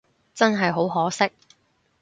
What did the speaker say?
真係好可惜